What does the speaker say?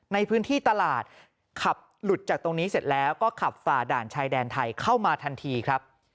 ในพื้นที่ตลาดขับหลุดจากตรงนี้เสร็จแล้วก็ขับฝ่าด่านชายแดนไทยเข้ามาทันทีครับ